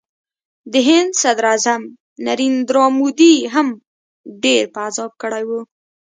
د هند صدراعظم نریندرا مودي هم ډېر په عذاب کړی و